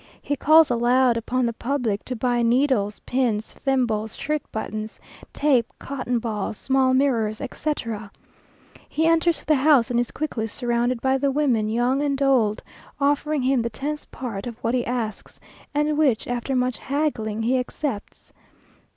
He calls aloud upon the public to buy needles, pins, thimbles, shirt buttons, tape, cotton balls, small mirrors, etc. He enters the house, and is quickly surrounded by the women, young and old, offering him the tenth part of what he asks, and which, after much haggling, he accepts.